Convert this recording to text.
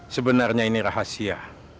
sebenarnya ini rahasia